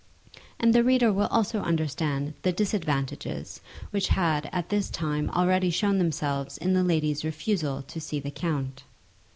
And the reader will also understand the disadvantages which had at this time already shown themselves in the lady's refusal to see the count.